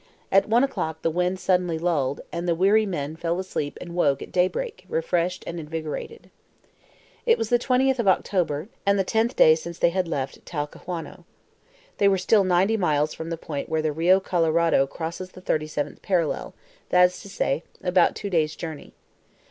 At one o'clock the wind suddenly lulled, and the weary men fell asleep and woke at daybreak, refreshed and invigorated. It was the 20th of October, and the tenth day since they had left Talcahuano. They were still ninety miles from the point where the Rio Colorado crosses the thirty seventh parallel, that is to say, about two days' journey.